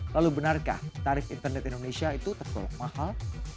lalu benarkah tarif internet indonesia itu tergolong mahal